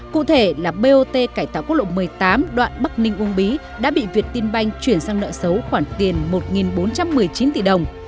cụ thể là bot cải tạo quốc lộ một mươi tám đoạn bắc ninh uông bí đã bị việt tiên banh chuyển sang nợ xấu khoảng tiền một bốn trăm một mươi chín tỷ đồng